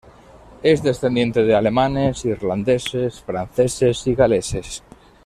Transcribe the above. Es descendiente de alemanes, irlandeses, franceses y galeses.